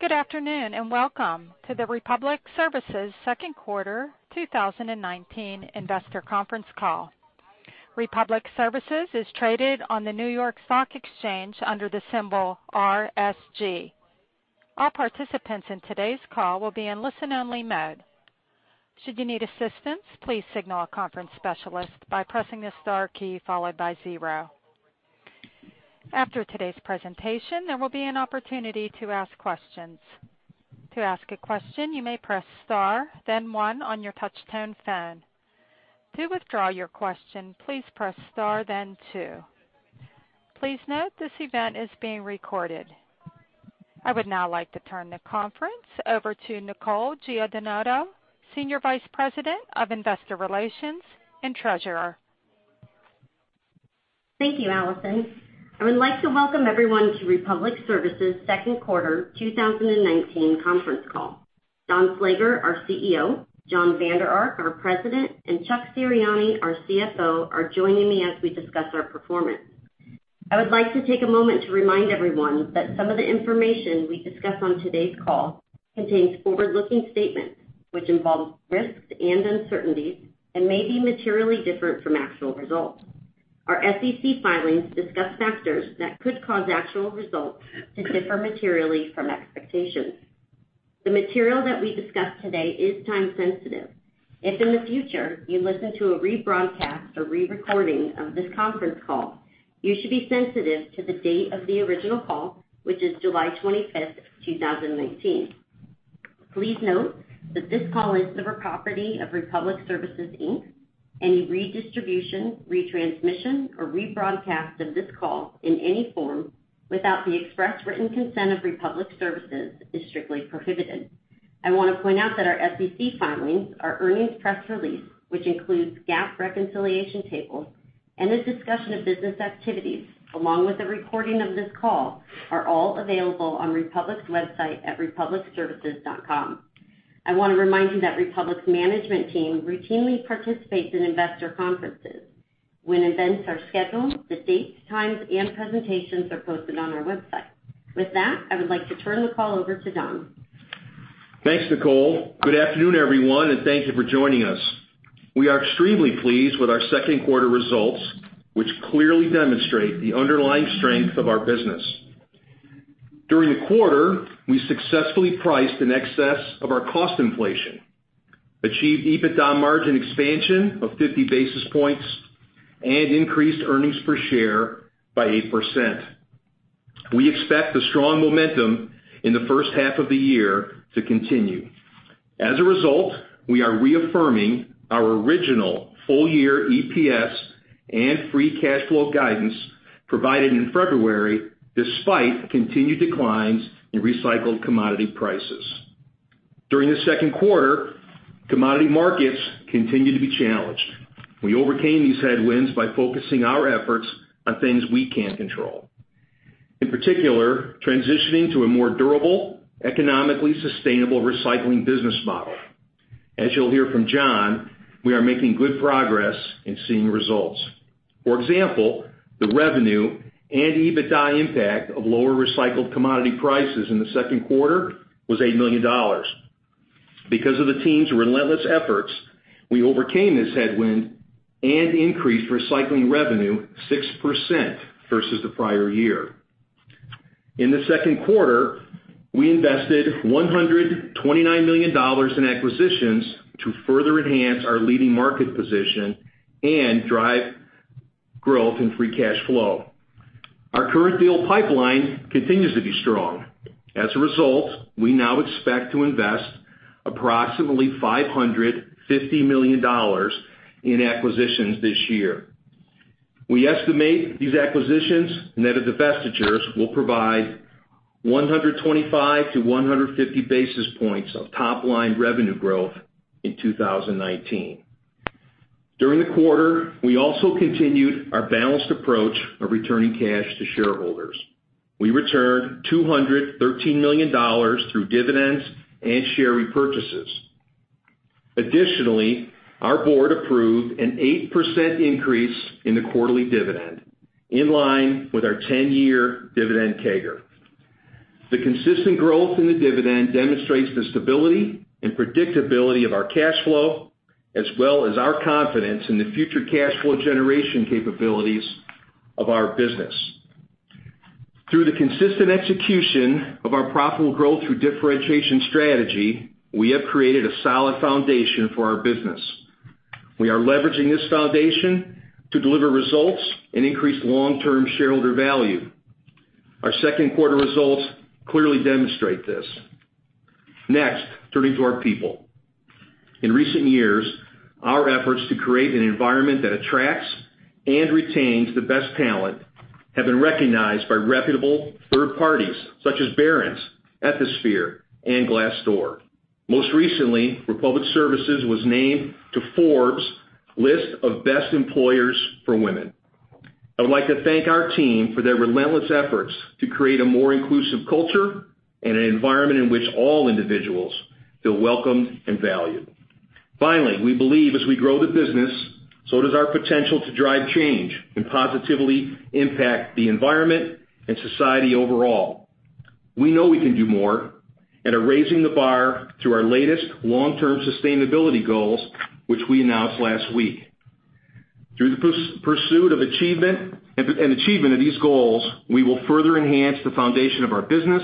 Good afternoon, welcome to the Republic Services second quarter 2019 investor conference call. Republic Services is traded on the New York Stock Exchange under the symbol RSG. All participants in today's call will be in listen-only mode. Should you need assistance, please signal a conference specialist by pressing the star key followed by zero. After today's presentation, there will be an opportunity to ask questions. To ask a question, you may press star, then one on your touch-tone phone. To withdraw your question, please press star, then two. Please note, this event is being recorded. I would now like to turn the conference over to Nicole Giandinoto, Senior Vice President of Investor Relations and Treasurer. Thank you, Allison. I would like to welcome everyone to Republic Services' second quarter 2019 conference call. Don Slager, our CEO, Jon Vander Ark, our President, and Chuck Serianni, our CFO, are joining me as we discuss our performance. I would like to take a moment to remind everyone that some of the information we discuss on today's call contains forward-looking statements, which involve risks and uncertainties and may be materially different from actual results. Our SEC filings discuss factors that could cause actual results to differ materially from expectations. The material that we discuss today is time sensitive. If in the future you listen to a rebroadcast or re-recording of this conference call, you should be sensitive to the date of the original call, which is July 25th, 2019. Please note that this call is the property of Republic Services, Inc. Any redistribution, retransmission, or rebroadcast of this call in any form without the express written consent of Republic Services is strictly prohibited. I want to point out that our SEC filings, our earnings press release, which includes GAAP reconciliation tables, and this discussion of business activities, along with a recording of this call, are all available on Republic Services' website at republicservices.com. I want to remind you that Republic Services' management team routinely participates in investor conferences. When events are scheduled, the dates, times, and presentations are posted on our website. With that, I would like to turn the call over to Don. Thanks, Nicole. Good afternoon, everyone, and thank you for joining us. We are extremely pleased with our second quarter results, which clearly demonstrate the underlying strength of our business. During the quarter, we successfully priced in excess of our cost inflation, achieved EBITDA margin expansion of 50 basis points, and increased earnings per share by 8%. We expect the strong momentum in the first half of the year to continue. We are reaffirming our original full-year EPS and free cash flow guidance provided in February, despite continued declines in recycled commodity prices. During the second quarter, commodity markets continued to be challenged. We overcame these headwinds by focusing our efforts on things we can control. In particular, transitioning to a more durable, economically sustainable recycling business model. As you'll hear from Jon, we are making good progress in seeing results. For example, the revenue and EBITDA impact of lower recycled commodity prices in the second quarter was $8 million. Because of the team's relentless efforts, we overcame this headwind and increased recycling revenue 6% versus the prior year. In the second quarter, we invested $129 million in acquisitions to further enhance our leading market position and drive growth in free cash flow. Our current deal pipeline continues to be strong. As a result, we now expect to invest approximately $550 million in acquisitions this year. We estimate these acquisitions and net of divestitures will provide 125 to 150 basis points of top-line revenue growth in 2019. During the quarter, we also continued our balanced approach of returning cash to shareholders. We returned $213 million through dividends and share repurchases. Additionally, our board approved an 8% increase in the quarterly dividend, in line with our 10-year dividend CAGR. The consistent growth in the dividend demonstrates the stability and predictability of our cash flow, as well as our confidence in the future cash flow generation capabilities of our business. Through the consistent execution of our Profitable Growth Through Differentiation Strategy, we have created a solid foundation for our business. We are leveraging this foundation to deliver results and increase long-term shareholder value. Our second quarter results clearly demonstrate this. Next, turning to our people. In recent years, our efforts to create an environment that attracts and retains the best talent have been recognized by reputable third parties such as Barron's, Ethisphere, and Glassdoor. Most recently, Republic Services was named to Forbes' list of best employers for women. I would like to thank our team for their relentless efforts to create a more inclusive culture and an environment in which all individuals feel welcomed and valued. Finally, we believe as we grow the business, so does our potential to drive change and positively impact the environment and society overall. We know we can do more and are raising the bar through our latest long-term sustainability goals, which we announced last week. Through the pursuit and achievement of these goals, we will further enhance the foundation of our business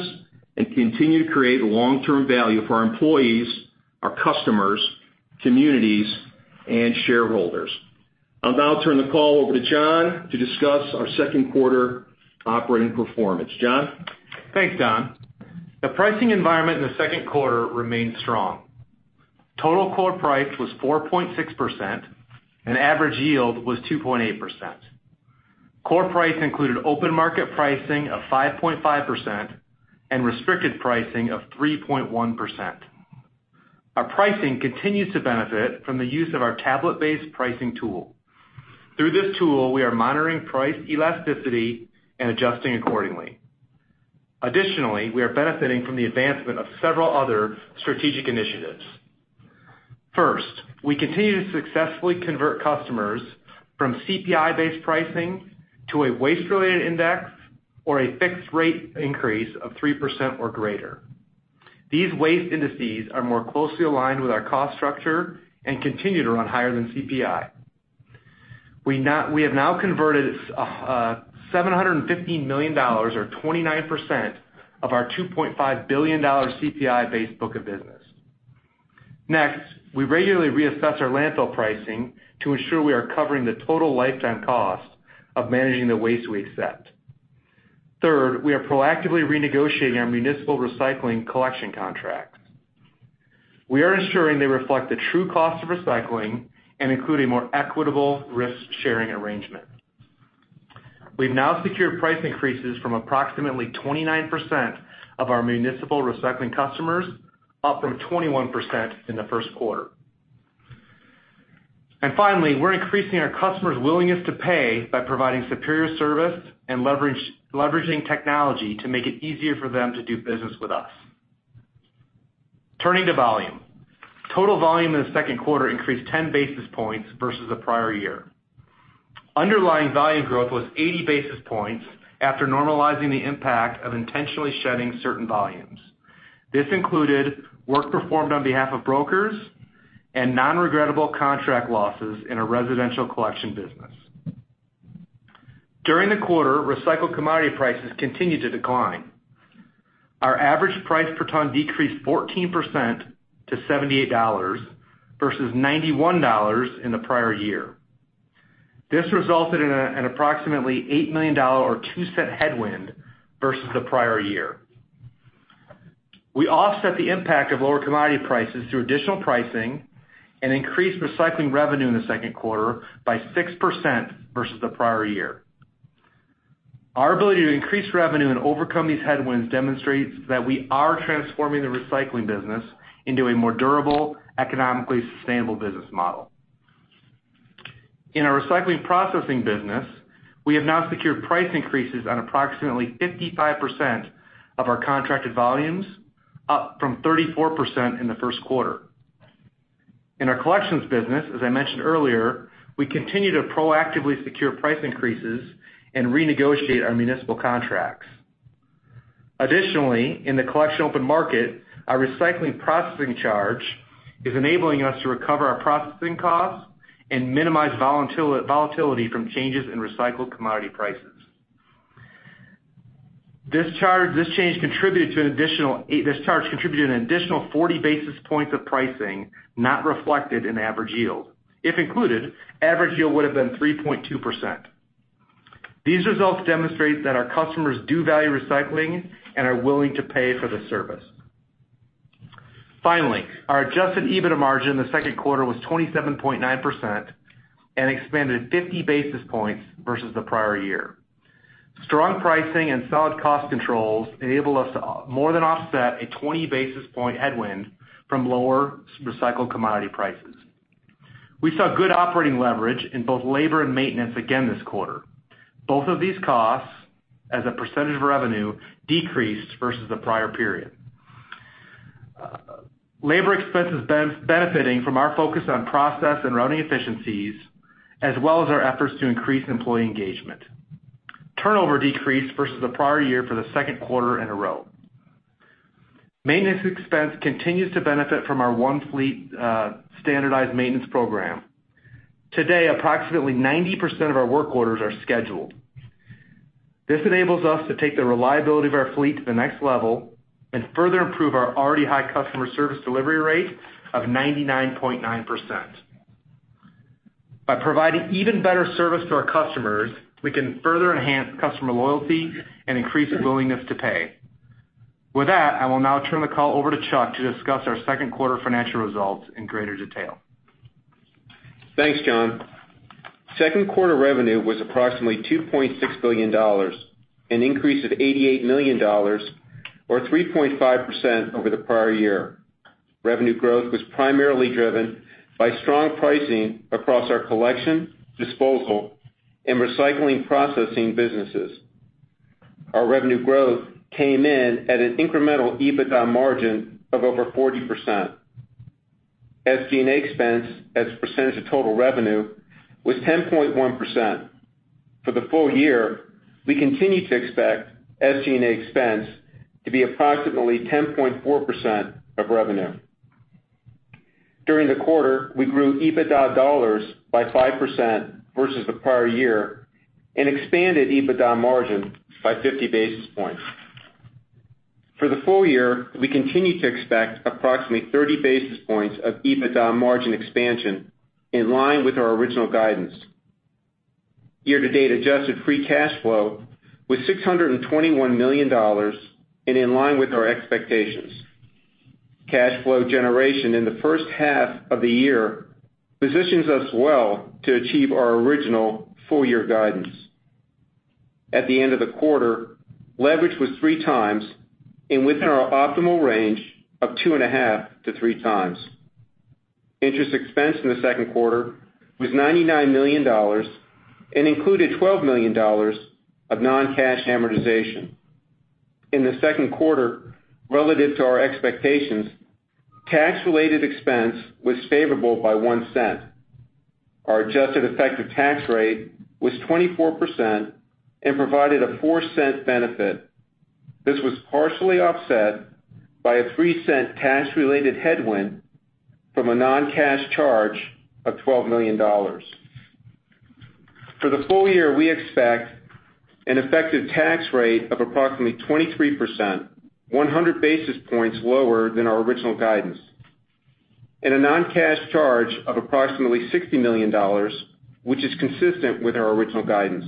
and continue to create long-term value for our employees, our customers, communities, and shareholders. I'll now turn the call over to Jon to discuss our second quarter operating performance. Jon? Thanks, Don. The pricing environment in the second quarter remained strong. Total core price was 4.6%, and average yield was 2.8%. Core price included open market pricing of 5.5% and restricted pricing of 3.1%. Our pricing continues to benefit from the use of our tablet-based pricing tool. Through this tool, we are monitoring price elasticity and adjusting accordingly. Additionally, we are benefiting from the advancement of several other strategic initiatives. First, we continue to successfully convert customers from CPI-based pricing to a waste-related index or a fixed rate increase of 3% or greater. These waste indices are more closely aligned with our cost structure and continue to run higher than CPI. We have now converted $715 million, or 29%, of our $2.5 billion CPI-based book of business. Next, we regularly reassess our landfill pricing to ensure we are covering the total lifetime cost of managing the waste we accept. Third, we are proactively renegotiating our municipal recycling collection contracts. We are ensuring they reflect the true cost of recycling and include a more equitable risk-sharing arrangement. We've now secured price increases from approximately 29% of our municipal recycling customers, up from 21% in the first quarter. Finally, we're increasing our customers' willingness to pay by providing superior service and leveraging technology to make it easier for them to do business with us. Turning to volume. Total volume in the second quarter increased 10 basis points versus the prior year. Underlying volume growth was 80 basis points after normalizing the impact of intentionally shedding certain volumes. This included work performed on behalf of brokers and non-regrettable contract losses in our residential collection business. During the quarter, recycled commodity prices continued to decline. Our average price per ton decreased 14% to $78 versus $91 in the prior year. This resulted in an approximately $8 million or $0.02 headwind versus the prior year. We offset the impact of lower commodity prices through additional pricing and increased recycling revenue in the second quarter by 6% versus the prior year. Our ability to increase revenue and overcome these headwinds demonstrates that we are transforming the recycling business into a more durable, economically sustainable business model. In our recycling processing business, we have now secured price increases on approximately 55% of our contracted volumes, up from 34% in the first quarter. In our collections business, as I mentioned earlier, we continue to proactively secure price increases and renegotiate our municipal contracts. Additionally, in the collection open market, our recycling processing charge is enabling us to recover our processing costs and minimize volatility from changes in recycled commodity prices. This charge contributed an additional 40 basis points of pricing not reflected in average yield. If included, average yield would have been 3.2%. These results demonstrate that our customers do value recycling and are willing to pay for the service. Our adjusted EBITDA margin in the second quarter was 27.9% and expanded 50 basis points versus the prior year. Strong pricing and solid cost controls enabled us to more than offset a 20 basis point headwind from lower recycled commodity prices. We saw good operating leverage in both labor and maintenance again this quarter. Both of these costs as a percentage of revenue decreased versus the prior period, labor expenses benefiting from our focus on process and running efficiencies, as well as our efforts to increase employee engagement. Turnover decreased versus the prior year for the second quarter in a row. Maintenance expense continues to benefit from our One Fleet standardized maintenance program. Today, approximately 90% of our work orders are scheduled. This enables us to take the reliability of our fleet to the next level and further improve our already high customer service delivery rate of 99.9%. By providing even better service to our customers, we can further enhance customer loyalty and increase the willingness to pay. With that, I will now turn the call over to Chuck to discuss our second quarter financial results in greater detail. Thanks, Jon. Second quarter revenue was approximately $2.6 billion, an increase of $88 million or 3.5% over the prior year. Revenue growth was primarily driven by strong pricing across our collection, disposal, and recycling processing businesses. Our revenue growth came in at an incremental EBITDA margin of over 40%. SG&A expense as a percentage of total revenue was 10.1%. For the full year, we continue to expect SG&A expense to be approximately 10.4% of revenue. During the quarter, we grew EBITDA dollars by 5% versus the prior year and expanded EBITDA margin by 50 basis points. For the full year, we continue to expect approximately 30 basis points of EBITDA margin expansion in line with our original guidance. Year-to-date adjusted free cash flow was $621 million and in line with our expectations. Cash flow generation in the first half of the year positions us well to achieve our original full-year guidance. At the end of the quarter, leverage was three times and within our optimal range of two and a half to three times. Interest expense in the second quarter was $99 million and included $12 million of non-cash amortization. In the second quarter, relative to our expectations, tax-related expense was favorable by $0.01. Our adjusted effective tax rate was 24% and provided a $0.04 benefit. This was partially offset by a $0.03 tax-related headwind from a non-cash charge of $12 million. For the full year, we expect an effective tax rate of approximately 23%, 100 basis points lower than our original guidance, and a non-cash charge of approximately $60 million, which is consistent with our original guidance.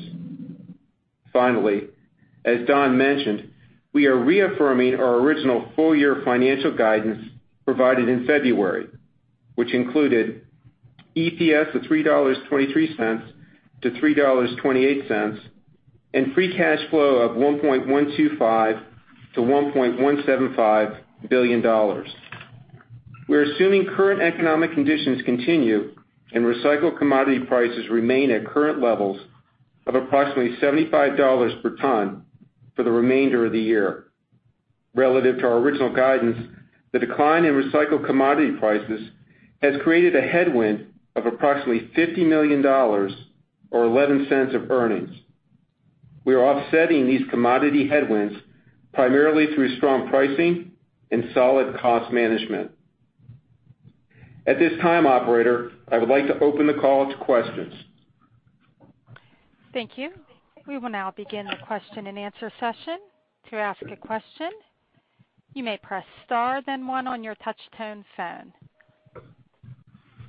Finally, as Don mentioned, we are reaffirming our original full-year financial guidance provided in February, which included EPS of $3.23-$3.28 and free cash flow of $1.125 billion-$1.175 billion. We're assuming current economic conditions continue and recycled commodity prices remain at current levels of approximately $75 per ton for the remainder of the year. Relative to our original guidance, the decline in recycled commodity prices has created a headwind of approximately $50 million or $0.11 of earnings. We are offsetting these commodity headwinds primarily through strong pricing and solid cost management. At this time, operator, I would like to open the call to questions. Thank you. We will now begin the question and answer session. To ask a question, you may press star then one on your touch-tone phone.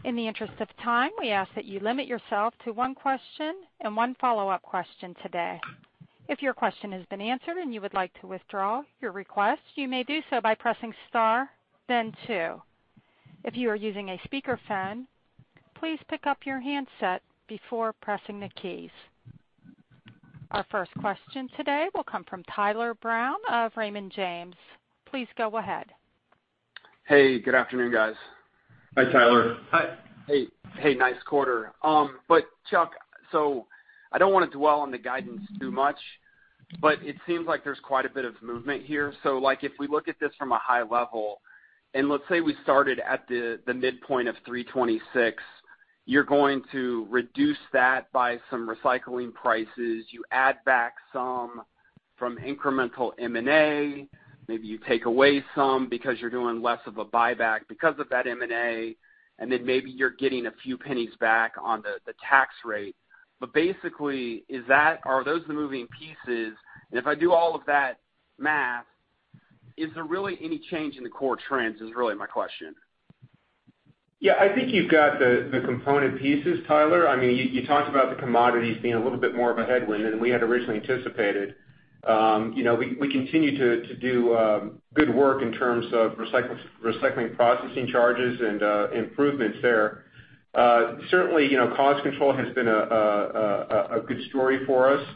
In the interest of time, we ask that you limit yourself to one question and one follow-up question today. If your question has been answered and you would like to withdraw your request, you may do so by pressing star then two. If you are using a speakerphone, please pick up your handset before pressing the keys. Our first question today will come from Tyler Brown of Raymond James. Please go ahead. Hey, good afternoon, guys. Hi, Tyler. Hi. Hey, nice quarter. Chuck, I don't want to dwell on the guidance too much, but it seems like there's quite a bit of movement here. If we look at this from a high level, and let's say we started at the midpoint of 326, you're going to reduce that by some recycling prices. You add back some from incremental M&A. Maybe you take away some because you're doing less of a buyback because of that M&A, and then maybe you're getting a few pennies back on the tax rate. Basically, are those the moving pieces? If I do all of that math, is there really any change in the core trends is really my question. Yeah, I think you've got the component pieces, Tyler. You talked about the commodities being a little bit more of a headwind than we had originally anticipated. We continue to do good work in terms of recycling processing charges and improvements there. Certainly, cost control has been a good story for us.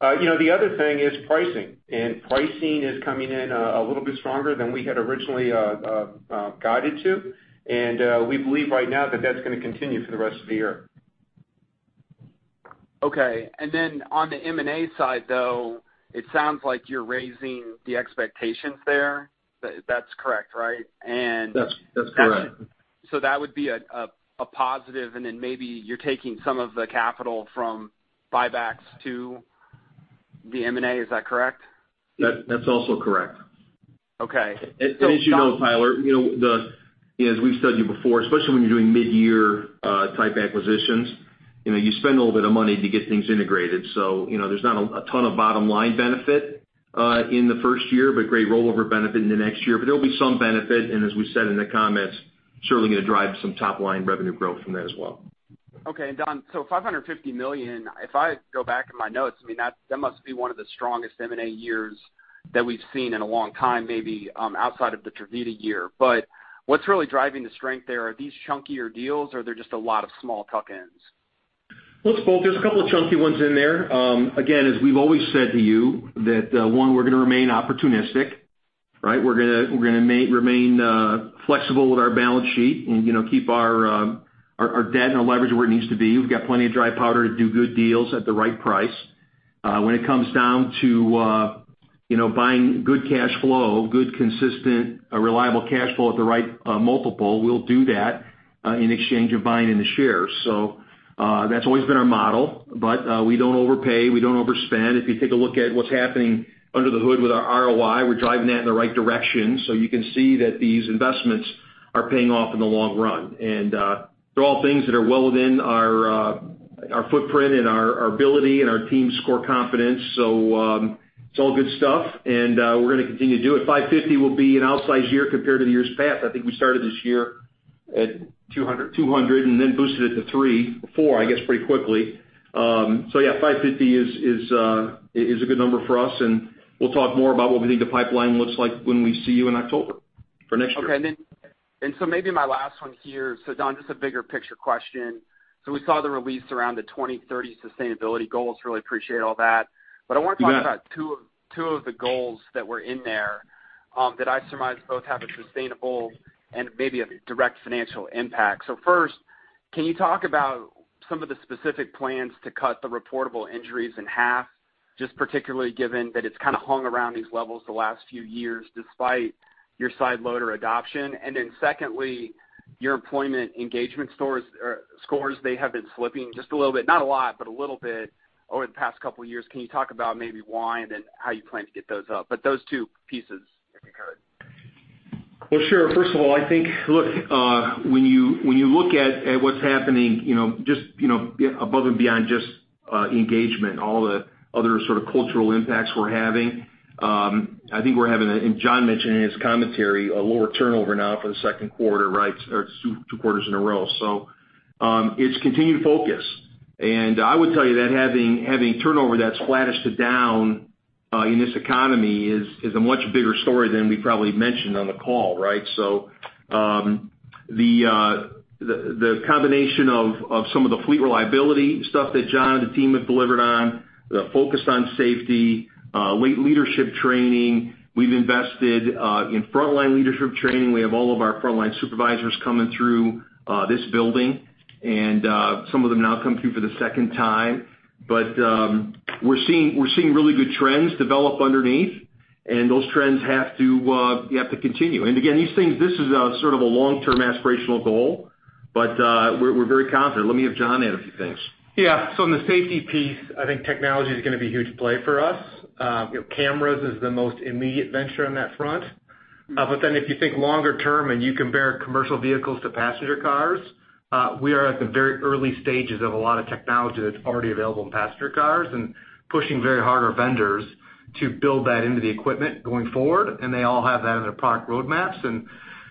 The other thing is pricing, and pricing is coming in a little bit stronger than we had originally guided to. We believe right now that that's going to continue for the rest of the year. Okay. On the M&A side, though, it sounds like you're raising the expectations there. That's correct, right? That's correct. That would be a positive, and then maybe you're taking some of the capital from buybacks to the M&A. Is that correct? That's also correct. Okay. As you know, Tyler, as we've said to you before, especially when you're doing mid-year type acquisitions, you spend a little bit of money to get things integrated. There's not a ton of bottom-line benefit in the first year, but great rollover benefit in the next year. There'll be some benefit, and as we said in the comments, certainly going to drive some top-line revenue growth from that as well. Okay. Don, $550 million, if I go back in my notes, that must be one of the strongest M&A years that we've seen in a long time, maybe outside of the Tervita year. What's really driving the strength there? Are these chunkier deals, or are there just a lot of small tuck-ins? It's both. There's a couple of chunky ones in there. Again, as we've always said to you, that one, we're going to remain opportunistic. Right. We're going to remain flexible with our balance sheet and keep our debt and our leverage where it needs to be. We've got plenty of dry powder to do good deals at the right price. When it comes down to buying good cash flow, good, consistent, reliable cash flow at the right multiple, we'll do that in exchange of buying into shares. That's always been our model. We don't overpay. We don't overspend. If you take a look at what's happening under the hood with our ROI, we're driving that in the right direction. You can see that these investments are paying off in the long run. They're all things that are well within our footprint and our ability and our team's core confidence. It's all good stuff, and we're going to continue to do it. 550 will be an outsized year compared to the years past. 200 200, and then boosted it to three, four, I guess, pretty quickly. Yeah, 550 is a good number for us, and we'll talk more about what we think the pipeline looks like when we see you in October for next year. Okay. Maybe my last one here. Don, just a bigger picture question. We saw the release around the 2030 Sustainability Goals. Really appreciate all that. You bet. I want to talk about two of the goals that were in there that I surmise both have a sustainable and maybe a direct financial impact. First, can you talk about some of the specific plans to cut the reportable injuries in half, just particularly given that it's kind of hung around these levels the last few years, despite your side loader adoption? Secondly, your employment engagement scores, they have been slipping just a little bit, not a lot, but a little bit over the past couple of years. Can you talk about maybe why, and then how you plan to get those up? Those two pieces, if you could. Well, sure. First of all, I think, when you look at what's happening above and beyond just engagement, all the other sort of cultural impacts we're having, I think we're having, and Jon mentioned in his commentary, a lower turnover now for the second quarter, or two quarters in a row. It's continued focus. I would tell you that having turnover that's flattish to down in this economy is a much bigger story than we probably mentioned on the call, right? The combination of some of the fleet reliability stuff that Jon and the team have delivered on, the focus on safety, leadership training. We've invested in frontline leadership training. We have all of our frontline supervisors coming through this building, and some of them now come through for the second time. We're seeing really good trends develop underneath, and those trends have to continue. Again, these things, this is a sort of a long-term aspirational goal, but we're very confident. Let me have Jon add a few things. On the safety piece, I think technology is going to be a huge play for us. Cameras is the most immediate venture on that front. If you think longer term and you compare commercial vehicles to passenger cars, we are at the very early stages of a lot of technology that's already available in passenger cars and pushing very hard our vendors to build that into the equipment going forward, and they all have that in their product roadmaps.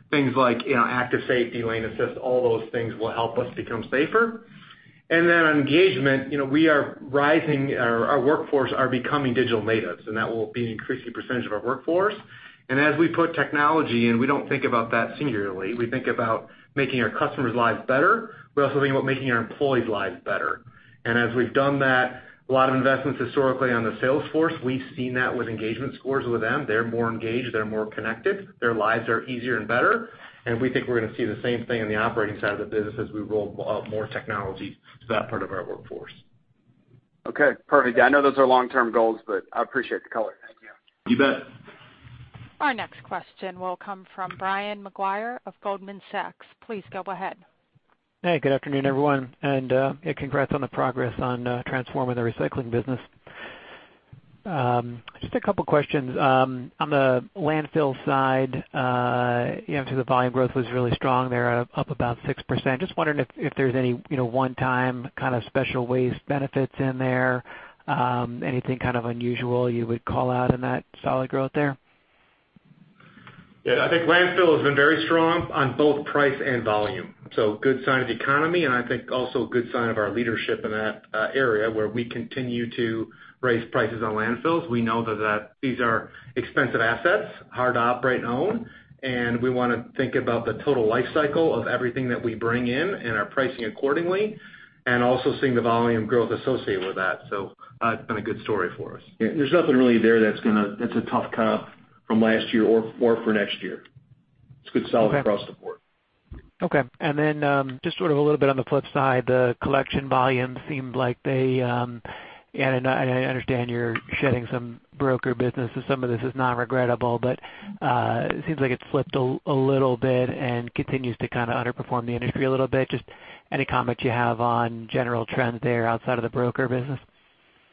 Things like active safety, lane assist, all those things will help us become safer. On engagement, we are rising. Our workforce are becoming digital natives, and that will be an increasing percentage of our workforce. As we put technology in, we don't think about that singularly. We think about making our customers' lives better. We also think about making our employees' lives better. As we've done that, a lot of investments historically on the sales force, we've seen that with engagement scores with them. They're more engaged. They're more connected. Their lives are easier and better, and we think we're going to see the same thing on the operating side of the business as we roll out more technology to that part of our workforce. Okay, perfect. Yeah, I know those are long-term goals, but I appreciate the color. Thank you. You bet. Our next question will come from Brian Maguire of Goldman Sachs. Please go ahead. Hey, good afternoon, everyone, and congrats on the progress on transforming the recycling business. Just a couple questions. On the landfill side, the volume growth was really strong there, up about 6%. Just wondering if there's any one-time kind of special waste benefits in there. Anything kind of unusual you would call out in that solid growth there? Yeah, I think landfill has been very strong on both price and volume. A good sign of the economy, and I think also a good sign of our leadership in that area, where we continue to raise prices on landfills. We know that these are expensive assets, hard to operate and own, and we want to think about the total life cycle of everything that we bring in and are pricing accordingly, and also seeing the volume growth associated with that. That's been a good story for us. Yeah, there's nothing really there that's a tough comp from last year or for next year. It's good, solid across the board. Okay. Just sort of a little bit on the flip side, the collection volumes seemed like they, and I understand you're shedding some broker business, so some of this is non-regrettable, but it seems like it's slipped a little bit and continues to kind of underperform the industry a little bit. Just any comments you have on general trends there outside of the broker business?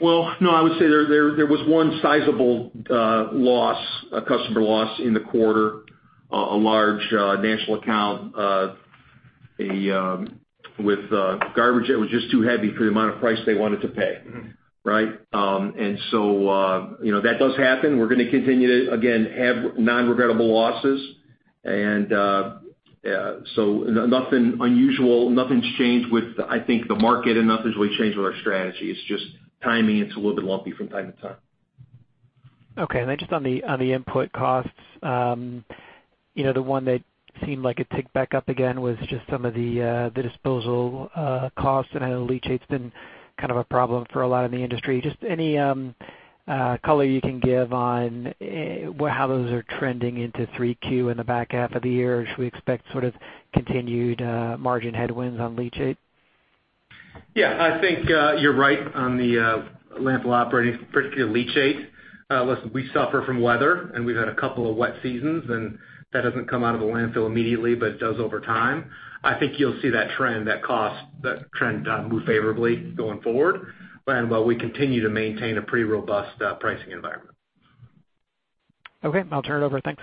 Well, no, I would say there was one sizable loss, a customer loss, in the quarter, a large national account, with garbage that was just too heavy for the amount of price they wanted to pay. Right? That does happen. We're going to continue to, again, have non-regrettable losses. Nothing unusual. Nothing's changed with, I think, the market, and nothing's really changed with our strategy. It's just timing. It's a little bit lumpy from time to time. Okay. The one that seemed like it ticked back up again was just some of the disposal costs and how leachate's been kind of a problem for a lot of the industry. Just any color you can give on how those are trending into 3Q in the back half of the year. Should we expect sort of continued margin headwinds on leachate? Yeah, I think you're right on the landfill operating, particularly leachate. Listen, we suffer from weather, and we've had a couple of wet seasons, and that doesn't come out of the landfill immediately, but it does over time. I think you'll see that trend, that cost, that trend move favorably going forward. While we continue to maintain a pretty robust pricing environment. Okay. I'll turn it over. Thanks.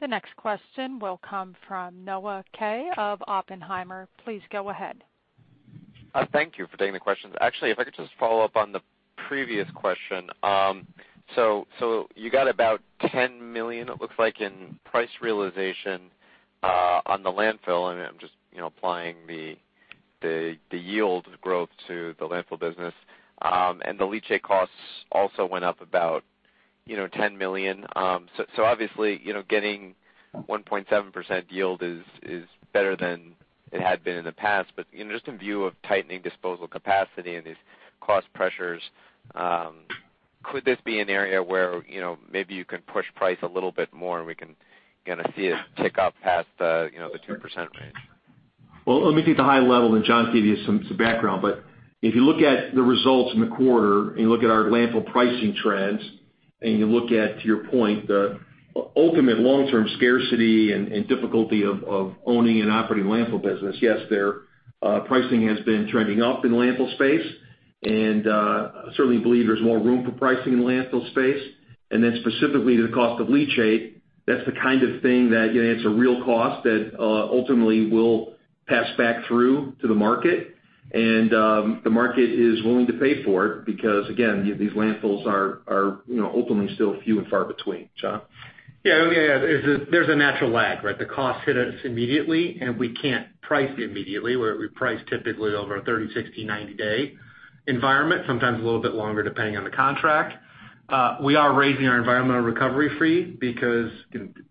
The next question will come from Noah Kaye of Oppenheimer. Please go ahead. Thank you for taking the questions. Actually, if I could just follow up on the previous question. You got about $10 million, it looks like, in price realization on the landfill, and I'm just applying the yield growth to the landfill business. The leachate costs also went up about $10 million. Obviously, getting 1.7% yield is better than it had been in the past. Just in view of tightening disposal capacity and these cost pressures, could this be an area where maybe you can push price a little bit more and we can kind of see it tick up past the 2% range? Well, let me take the high level, then Jon can give you some background. If you look at the results in the quarter and you look at our landfill pricing trends, and you look at, to your point, the ultimate long-term scarcity and difficulty of owning and operating a landfill business. Yes, their pricing has been trending up in landfill space, and I certainly believe there's more room for pricing in landfill space. Specifically to the cost of leachate, that's the kind of thing that it's a real cost that ultimately will pass back through to the market, and the market is willing to pay for it because, again, these landfills are ultimately still few and far between. Jon? Yeah. There's a natural lag, right? The cost hit us immediately, and we can't price immediately, where we price typically over a 30, 60, 90-day environment, sometimes a little bit longer, depending on the contract. We are raising our environmental recovery fee because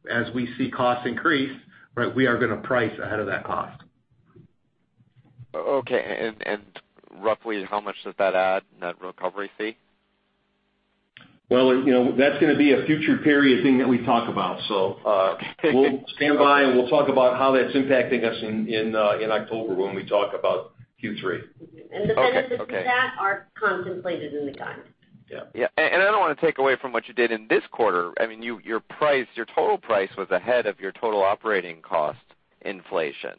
as we see costs increase, right, we are going to price ahead of that cost. Okay. Roughly how much does that add, that recovery fee? Well, that's going to be a future period thing that we talk about. Okay We'll stand by, and we'll talk about how that's impacting us in October when we talk about Q3. Okay. The benefits of that are contemplated in the guidance. Yeah. Yeah. I don't want to take away from what you did in this quarter. Your total price was ahead of your total operating cost inflation,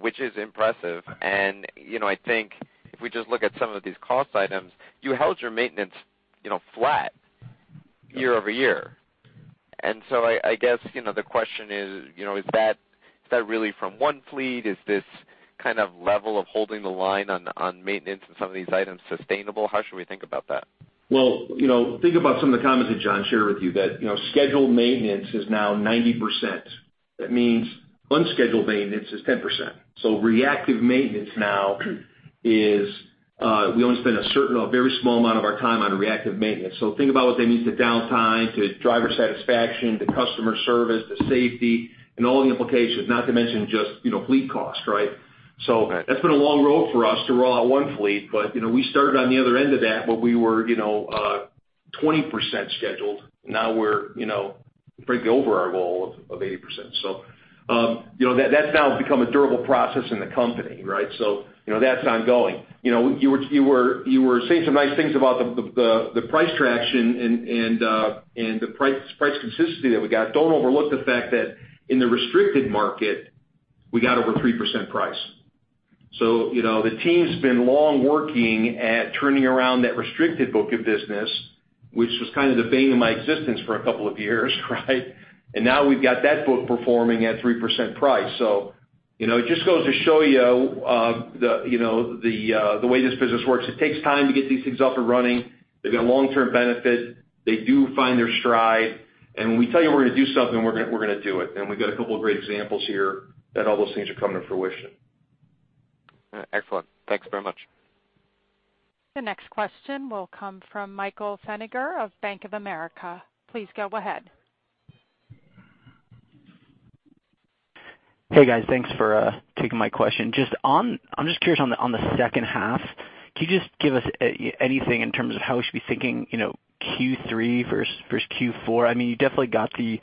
which is impressive. I think if we just look at some of these cost items, you held your maintenance flat year-over-year. I guess the question is that really from One Fleet? Is this kind of level of holding the line on maintenance and some of these items sustainable? How should we think about that? Well, think about some of the comments that Jon shared with you, that scheduled maintenance is now 90%. That means unscheduled maintenance is 10%. Reactive maintenance now, we only spend a very small amount of our time on reactive maintenance. Think about what that means to downtime, to driver satisfaction, to customer service, to safety, and all the implications, not to mention just fleet cost, right? Okay. That's been a long road for us to roll out One Fleet, but we started on the other end of that, where we were 20% scheduled. Now we're frankly over our goal of 80%. That's now become a durable process in the company, right? That's ongoing. You were saying some nice things about the price traction and the price consistency that we got. Don't overlook the fact that in the restricted market, we got over 3% price. The team's been long working at turning around that restricted book of business, which was kind of the bane of my existence for a couple of years, right? Now we've got that book performing at 3% price. It just goes to show you the way this business works. It takes time to get these things up and running. They've got a long-term benefit. They do find their stride. When we tell you we're going to do something, we're going to do it. We've got a couple of great examples here that all those things are coming to fruition. Excellent. Thanks very much. The next question will come from Michael Feniger of Bank of America. Please go ahead. Hey, guys. Thanks for taking my question. I'm just curious on the second half, could you just give us anything in terms of how we should be thinking Q3 versus Q4? You definitely got the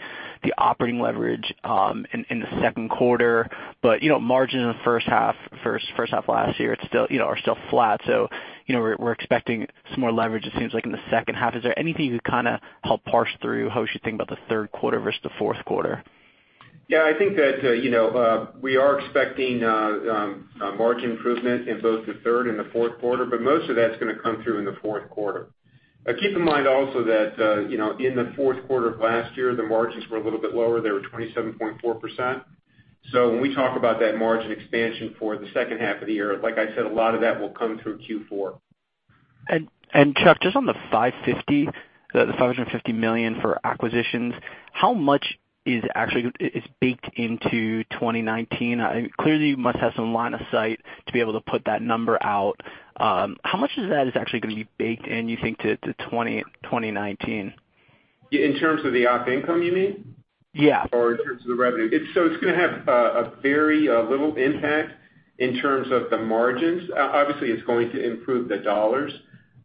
operating leverage in the second quarter, but margin in the first half last year are still flat. We're expecting some more leverage, it seems like, in the second half. Is there anything you could kind of help parse through how we should think about the third quarter versus the fourth quarter? I think that we are expecting a margin improvement in both the third and the fourth quarter, but most of that's going to come through in the fourth quarter. Keep in mind also that in the fourth quarter of last year, the margins were a little bit lower. They were 27.4%. When we talk about that margin expansion for the second half of the year, like I said, a lot of that will come through Q4. Chuck, just on the $550 million for acquisitions, how much is actually baked into 2019? Clearly, you must have some line of sight to be able to put that number out. How much of that is actually going to be baked in, you think, to 2019? In terms of the op income, you mean? Yeah. In terms of the revenue? It's going to have a very little impact in terms of the margins. Obviously, it's going to improve the dollars,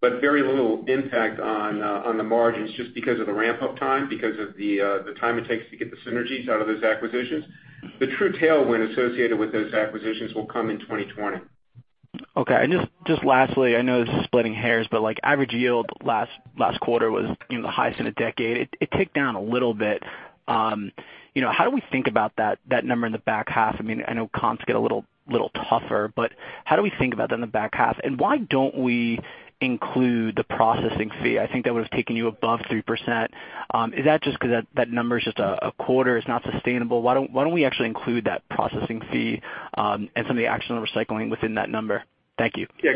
but very little impact on the margins just because of the ramp-up time, because of the time it takes to get the synergies out of those acquisitions. The true tailwind associated with those acquisitions will come in 2020. Okay. Just lastly, I know this is splitting hairs, but average yield last quarter was the highest in a decade. It ticked down a little bit. How do we think about that number in the back half? I know comps get a little tougher, but how do we think about that in the back half? Why don't we include the processing fee? I think that would've taken you above 3%. Is that just because that number is just a quarter, it's not sustainable? Why don't we actually include that processing fee, and some of the actual recycling within that number? Thank you. Yeah.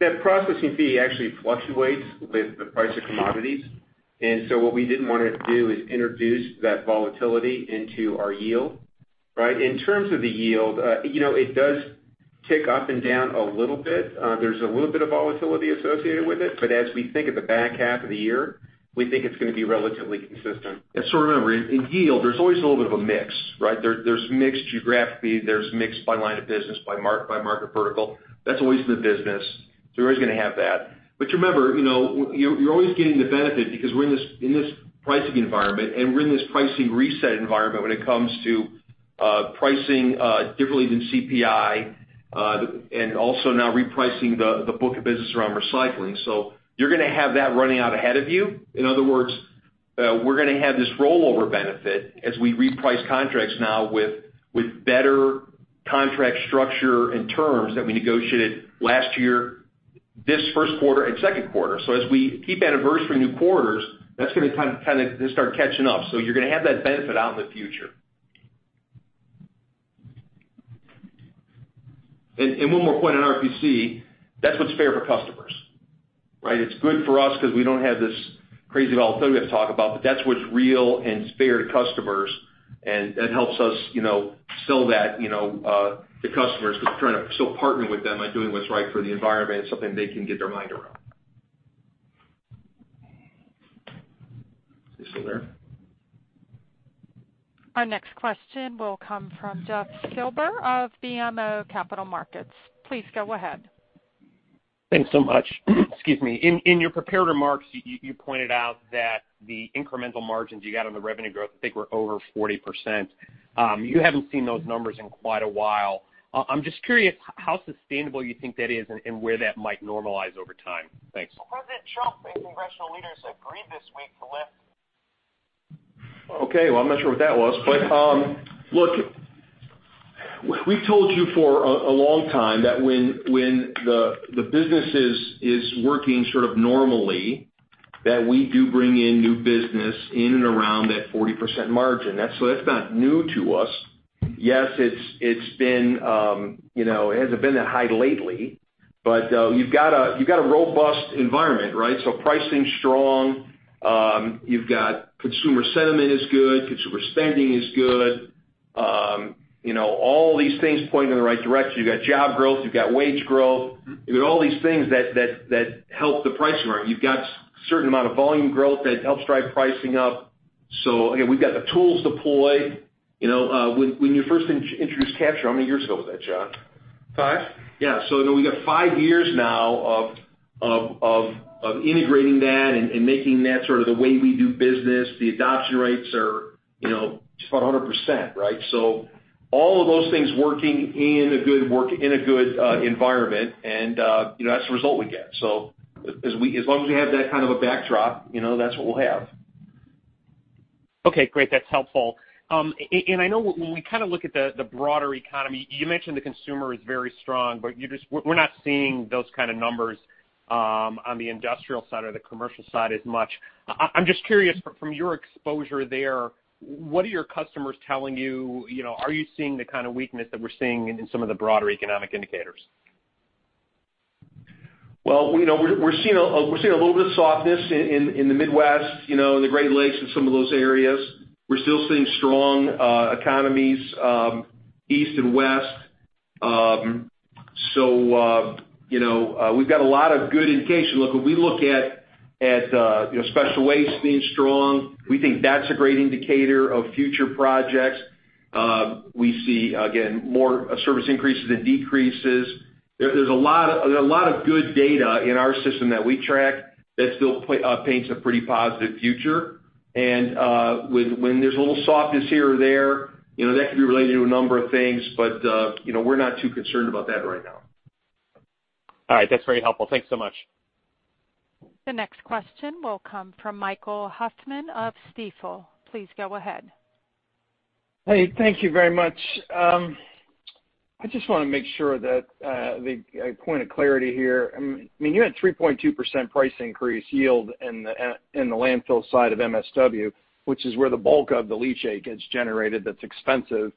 That processing fee actually fluctuates with the price of commodities. What we didn't want to do is introduce that volatility into our yield. Right? In terms of the yield, it does tick up and down a little bit. There's a little bit of volatility associated with it, but as we think of the back half of the year, we think it's going to be relatively consistent. Remember, in yield, there's always a little bit of a mix, right? There's mix geographically, there's mix by line of business, by market vertical. That's always the business, so we're always going to have that. Remember, you're always getting the benefit because we're in this pricing environment, and we're in this pricing reset environment when it comes to pricing differently than CPI, and also now repricing the book of business around recycling. You're going to have that running out ahead of you. In other words, we're going to have this rollover benefit as we reprice contracts now with better contract structure and terms that we negotiated last year, this first quarter, and second quarter. As we keep anniversarying new quarters, that's going to kind of start catching up. You're going to have that benefit out in the future. One more point on RPC, that's what's fair for customers, right? It's good for us because we don't have this crazy volatility I talk about, but that's what's real and fair to customers, and that helps us sell that to customers because we're trying to still partner with them by doing what's right for the environment and something they can get their mind around. Are they still there? Our next question will come from Jeff Silber of BMO Capital Markets. Please go ahead. Thanks so much. Excuse me. In your prepared remarks, you pointed out that the incremental margins you got on the revenue growth, I think, were over 40%. You haven't seen those numbers in quite a while. I'm just curious how sustainable you think that is and where that might normalize over time. Thanks. Okay. Well, I'm not sure what that was, but, look, we've told you for a long time that when the business is working sort of normally, that we do bring in new business in and around that 40% margin. That's not new to us. Yes, it hasn't been that high lately, but you've got a robust environment, right? Pricing's strong. You've got consumer sentiment is good, consumer spending is good. All these things pointing in the right direction. You've got job growth, you've got wage growth. You've got all these things that help the price environment. You've got a certain amount of volume growth that helps drive pricing up. Again, we've got the tools deployed. When you first introduced Capture, how many years ago was that, Jon? Five. Yeah. We got five years now of integrating that and making that sort of the way we do business. The adoption rates are just about 100%, right? All of those things working in a good environment and that's the result we get. As long as we have that kind of a backdrop, that's what we'll have. Okay, great. That's helpful. I know when we kind of look at the broader economy, you mentioned the consumer is very strong, but we're not seeing those kind of numbers on the industrial side or the commercial side as much. I'm just curious from your exposure there, what are your customers telling you? Are you seeing the kind of weakness that we're seeing in some of the broader economic indicators? Well, we're seeing a little bit of softness in the Midwest, in the Great Lakes and some of those areas. We're still seeing strong economies, east and west. We've got a lot of good indication. Look, when we look at special waste being strong, we think that's a great indicator of future projects. We see, again, more service increases than decreases. There's a lot of good data in our system that we track that still paints a pretty positive future. When there's a little softness here or there, that could be related to a number of things, but we're not too concerned about that right now. All right. That's very helpful. Thanks so much. The next question will come from Michael Hoffman of Stifel. Please go ahead. Hey, thank you very much. I just want to make sure that the point of clarity here, you had 3.2% price increase yield in the landfill side of MSW, which is where the bulk of the leachate gets generated, that's expensive.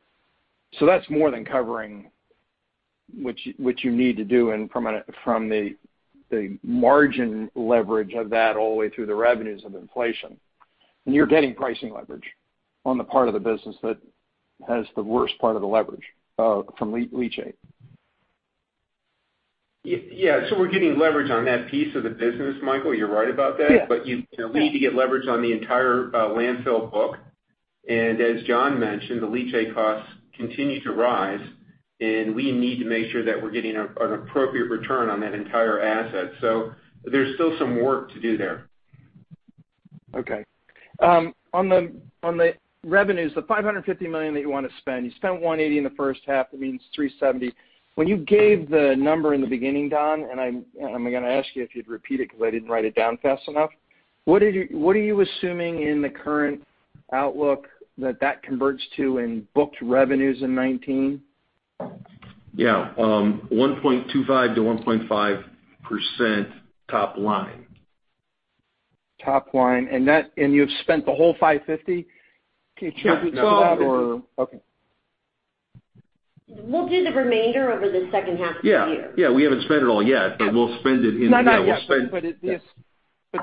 That's more than covering what you need to do from the margin leverage of that all the way through the revenues of inflation. You're getting pricing leverage on the part of the business that has the worst part of the leverage, from leachate. Yeah. We're getting leverage on that piece of the business, Michael, you're right about that. Yes. You need to get leverage on the entire landfill book. As Jon mentioned, the leachate costs continue to rise, and we need to make sure that we're getting an appropriate return on that entire asset. There's still some work to do there. Okay. On the revenues, the $550 million that you want to spend, you spent $180 in the first half, that means $370. When you gave the number in the beginning, Don, I'm going to ask you if you'd repeat it because I didn't write it down fast enough. What are you assuming in the current outlook that that converts to in booked revenues in 2019? Yeah. 1.25%-1.5% top line. Top line. You've spent the whole $550? Can you talk to that or- Not yet. Okay. We'll do the remainder over the second half of the year. Yeah. We haven't spent it all yet. Yeah. But we'll spend it in- Not yet. We'll spend Yeah.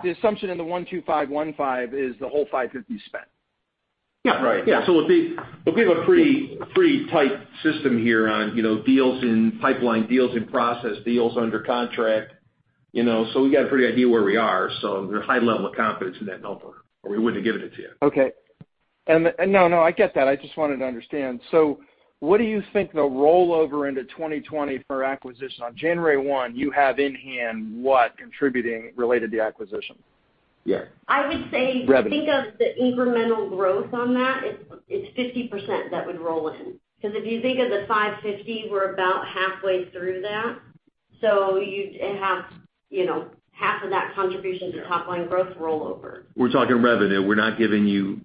The assumption in the $1.25, $1.5 is the whole $550 spent. Yeah. Right. Yeah. We have a pretty tight system here on pipeline deals and process deals under contract. We got a pretty good idea where we are. There's a high level of confidence in that number, or we wouldn't have given it to you. Okay. No, I get that. I just wanted to understand. What do you think the rollover into 2020 for acquisition, on January 1, you have in hand what contributing related to acquisition? Yeah. I would say- Revenue Think of the incremental growth on that, it's 50% that would roll in. If you think of the 550, we're about halfway through that. You'd have half of that contribution to top-line growth rollover. We're talking revenue. We're not giving you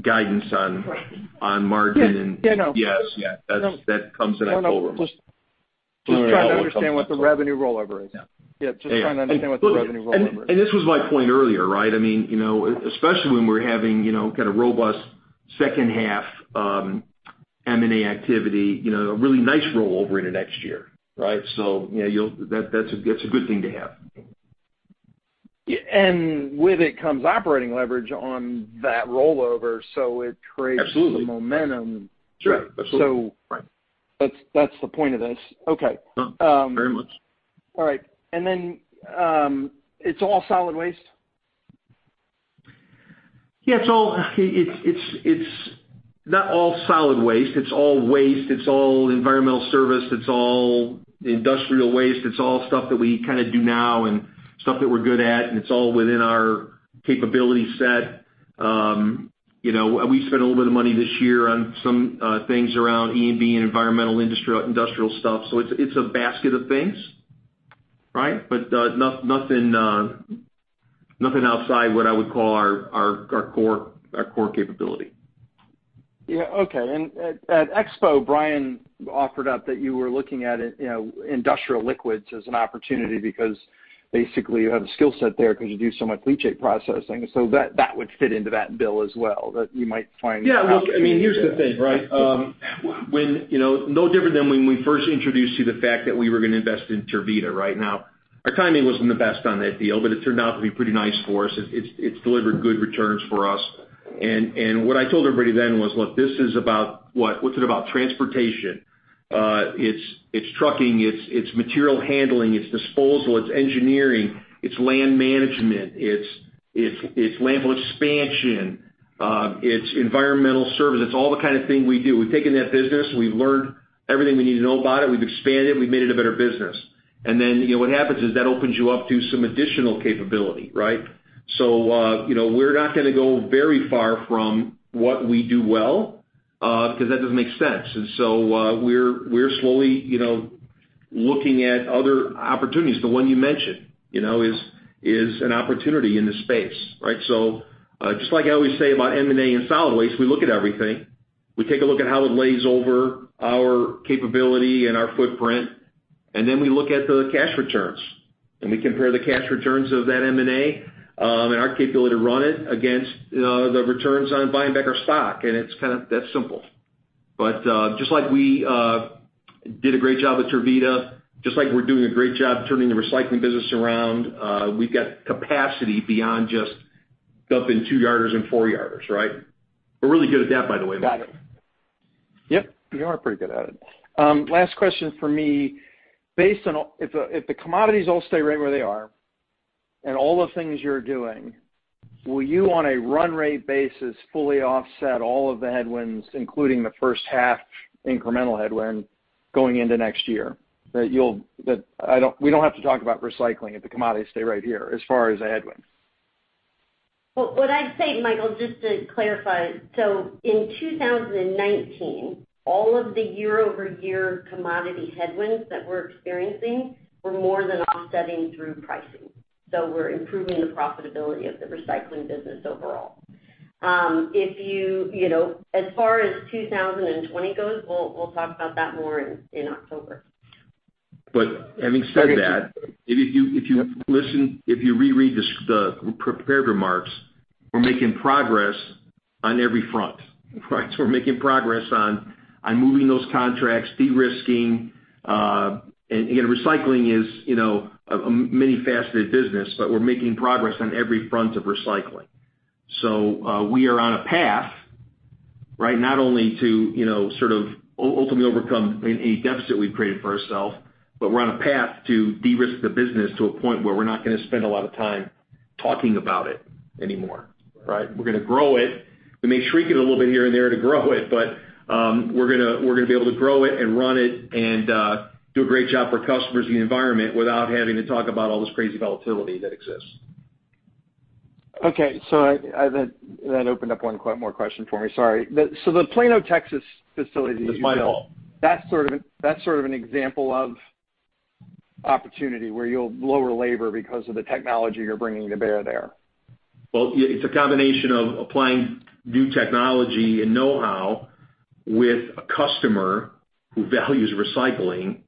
guidance on. Right Margin. Yeah, I know. Yes. Yeah. That comes in October. No, I know. Just trying to understand what the revenue rollover is. Yeah. Yeah. Just trying to understand what the revenue rollover is. This was my point earlier. Especially when we're having kind of robust second half M&A activity, a really nice rollover into next year, right. That's a good thing to have. With it comes operating leverage on that rollover. Absolutely The momentum. Sure. Absolutely. So- Right That's the point of this. Okay. Very much. All right. It's all solid waste? Yeah, it's not all solid waste. It's all waste. It's all environmental service. It's all industrial waste. It's all stuff that we kind of do now and stuff that we're good at, and it's all within our capability set. We spent a little bit of money this year on some things around E&P and environmental industrial stuff. It's a basket of things. Nothing outside what I would call our core capability. Yeah. Okay. At WasteExpo, Brian offered up that you were looking at industrial liquids as an opportunity because basically you have a skill set there because you do so much leachate processing. That would fit into that bill as well. Yeah. Look, here's the thing. No different than when we first introduced you the fact that we were going to invest in Tervita. Now, our timing wasn't the best on that deal, but it turned out to be pretty nice for us. It's delivered good returns for us. What I told everybody then was, "Look, this is about what? What's it about? Transportation. It's trucking, it's material handling, it's disposal, it's engineering, it's land management, it's landfill expansion, it's environmental service." It's all the kind of thing we do. We've taken that business, we've learned everything we need to know about it. We've expanded it, we've made it a better business. What happens is that opens you up to some additional capability. We're not going to go very far from what we do well, because that doesn't make sense. We're slowly looking at other opportunities. The one you mentioned is an opportunity in this space. Just like I always say about M&A and solid waste, we look at everything. We take a look at how it lays over our capability and our footprint, and then we look at the cash returns. We compare the cash returns of that M&A, and our capability to run it against the returns on buying back our stock. It's kind of that simple. Just like we did a great job with Tervita, just like we're doing a great job turning the recycling business around, we've got capacity beyond just dumping two yarders and four yarders, right? We're really good at that, by the way. Got it. Yep. You are pretty good at it. Last question from me. If the commodities all stay right where they are, all the things you're doing, will you, on a run rate basis, fully offset all of the headwinds, including the first half incremental headwind going into next year? We don't have to talk about recycling if the commodities stay right here, as far as a headwind. What I'd say, Michael, just to clarify, in 2019, all of the year-over-year commodity headwinds that we're experiencing, we're more than offsetting through pricing. We're improving the profitability of the recycling business overall. As far as 2020 goes, we'll talk about that more in October. Having said that, if you reread the prepared remarks, we're making progress on every front. We're making progress on moving those contracts, de-risking. Recycling is a many-faceted business, but we're making progress on every front of recycling. We are on a path. Right? Not only to ultimately overcome any deficit we've created for ourselves, but we're on a path to de-risk the business to a point where we're not going to spend a lot of time talking about it anymore. Right? We're going to grow it. We may shrink it a little bit here and there to grow it, but we're going to be able to grow it and run it and do a great job for customers and the environment without having to talk about all this crazy volatility that exists. Okay. That opened up one more question for me, sorry. The Plano, Texas facility that you built. It's my fault. That's sort of an example of opportunity where you'll lower labor because of the technology you're bringing to bear there. Well, it's a combination of applying new technology and knowhow with a customer who values recycling,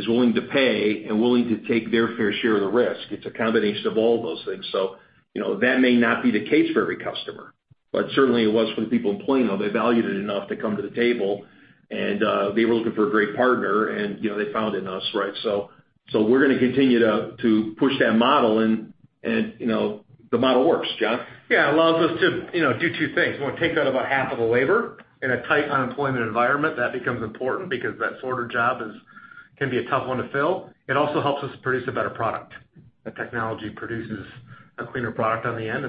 is willing to pay, and willing to take their fair share of the risk. It's a combination of all those things. That may not be the case for every customer, but certainly it was for the people in Plano. They valued it enough to come to the table, and they were looking for a great partner, and they found it in us, right? We're going to continue to push that model, and the model works. Jon? Yeah. It allows us to do two things. We want to take out about half of the labor. In a tight unemployment environment, that becomes important because that sorter job can be a tough one to fill. It also helps us produce a better product.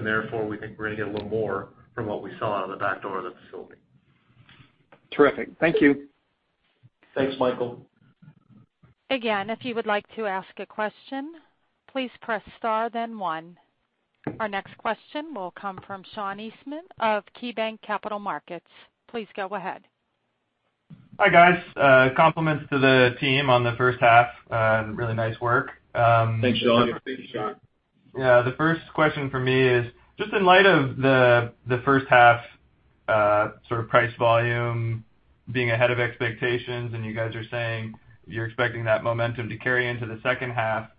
Therefore, we think we're going to get a little more from what we sell out of the back door of the facility. Terrific. Thank you. Thanks, Michael. Again, if you would like to ask a question, please press star then one. Our next question will come from Sean Eastman of KeyBanc Capital Markets. Please go ahead. Hi, guys. Compliments to the team on the first half. Really nice work. Thanks, Sean. Thank you, Sean. Yeah. The first question from me is, just in light of the first half sort of price volume being ahead of expectations. You guys are saying you're expecting that momentum to carry into the second half.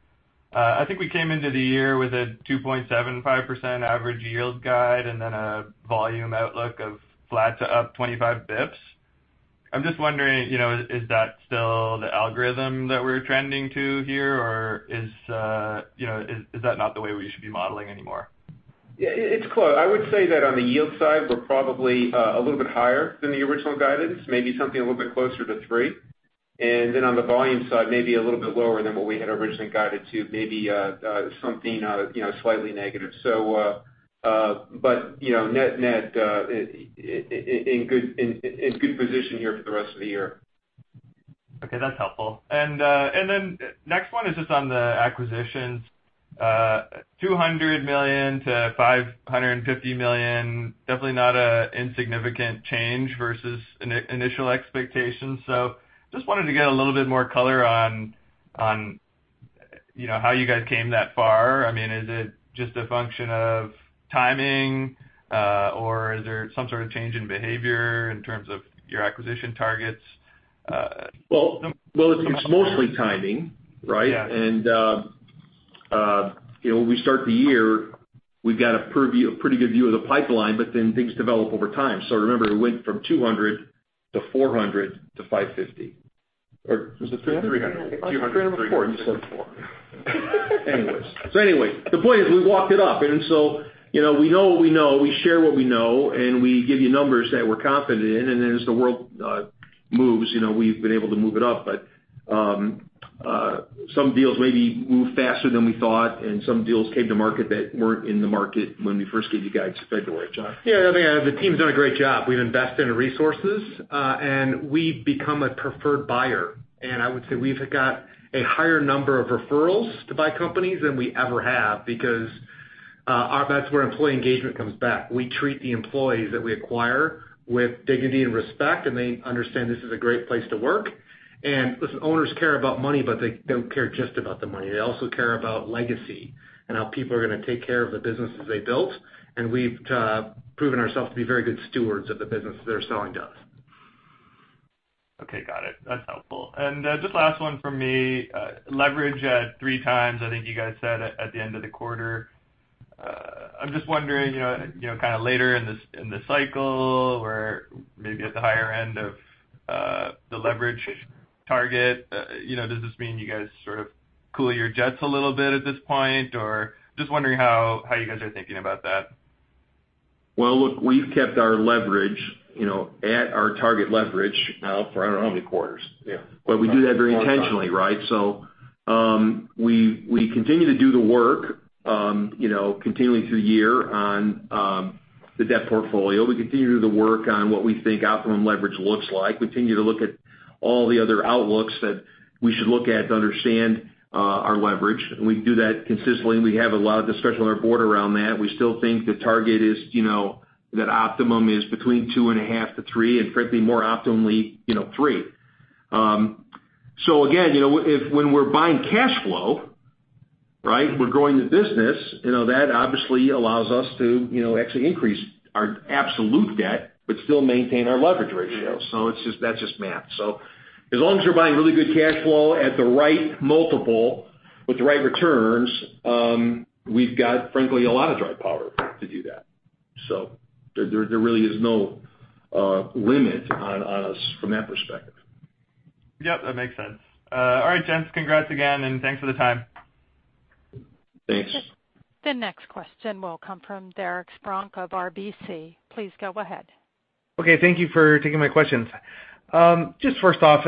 I think we came into the year with a 2.75% average yield guide and then a volume outlook of flat to up 25 bps. I'm just wondering, is that still the algorithm that we're trending to here? Is that not the way we should be modeling anymore? It's close. I would say that on the yield side, we're probably a little bit higher than the original guidance, maybe something a little bit closer to three. On the volume side, maybe a little bit lower than what we had originally guided to, maybe something slightly negative. Net net, in good position here for the rest of the year. Okay, that's helpful. Next one is just on the acquisitions. $200 million-$550 million, definitely not an insignificant change versus initial expectations. Just wanted to get a little bit more color on how you guys came that far. Is it just a function of timing? Is there some sort of change in behavior in terms of your acquisition targets? Well, it's mostly timing, right? Yeah. When we start the year, we've got a pretty good view of the pipeline, but then things develop over time. Remember, it went from 200 to 400 to 550. Was it 300? 300. 200, 300, 550. On the quarter report you said four. The point is we walked it up. We know what we know, we share what we know, and we give you numbers that we're confident in. As the world moves, we've been able to move it up. Some deals maybe moved faster than we thought, and some deals came to market that weren't in the market when we first gave you guys in February. Jon? Yeah, the team's done a great job. We've invested in resources. We've become a preferred buyer. I would say we've got a higher number of referrals to buy companies than we ever have because that's where employee engagement comes back. We treat the employees that we acquire with dignity and respect, and they understand this is a great place to work. Listen, owners care about money, but they don't care just about the money. They also care about legacy and how people are going to take care of the businesses they built. We've proven ourselves to be very good stewards of the business they're selling to us. Okay, got it. That's helpful. Just last one from me, leverage at three times, I think you guys said at the end of the quarter. I'm just wondering, kind of later in the cycle or maybe at the higher end of the leverage target, does this mean you guys sort of cool your jets a little bit at this point, or just wondering how you guys are thinking about that? Well, look, we've kept our leverage at our target leverage now for I don't know how many quarters. Yeah. We do that very intentionally, right? So we continue to do the work continually through the year on the debt portfolio. We continue to do the work on what we think optimum leverage looks like. We continue to look at all the other outlooks that we should look at to understand our leverage. And we do that consistently, and we have a lot of discussion with our board around that. We still think the target is, that optimum is between 2.5 to three, and frankly, more optimally three. So again, when we're buying cash flow, right, we're growing the business, that obviously allows us to actually increase our absolute debt but still maintain our leverage ratio. Yeah. That's just math. As long as we're buying really good cash flow at the right multiple with the right returns, we've got, frankly, a lot of dry power to do that. There really is no limit on us from that perspective. Yep, that makes sense. All right, gents, congrats again, and thanks for the time. Thanks. The next question will come from Derek Spronck of RBC. Please go ahead. Okay. Thank you for taking my questions. Just first off,